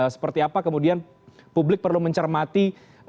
seperti apa kemudian publik perlu mencermati